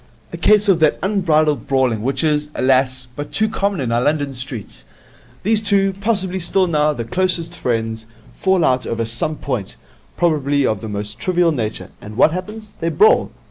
'A case of that unbridled brawling which is, alas, but too common in our London streets. These two, possibly till now the closest friends, fall out over some point, probably of the most trivial nature, and what happens? They brawl.